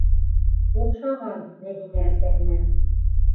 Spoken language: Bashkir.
Оҡшаған Мәҙинә әсәһенә.